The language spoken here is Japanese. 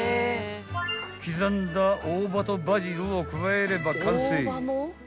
［刻んだ大葉とバジルを加えれば完成］